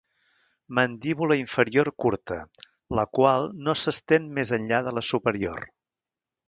Mandíbula inferior curta, la qual no s'estén més enllà de la superior.